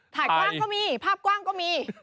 ถ่ายกว้างก็มีภาพกว้างก็มี